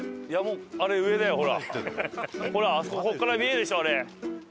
ほらあそこここから見えるでしょあれ。